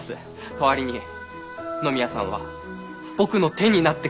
代わりに野宮さんは僕の手になってください。